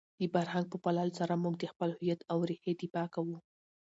د فرهنګ په پاللو سره موږ د خپل هویت او رېښې دفاع کوو.